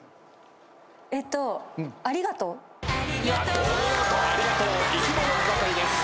えっと『ありがとう』お見事。